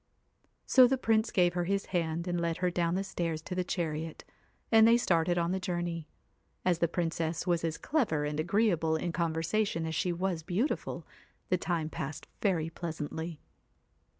So the Prince gave her his hand and led her down the stairs to the chariot ; and they started on the journey. As the Princess was as clever and agree able in conversation as she was beautiful, the time passed very pleasantly.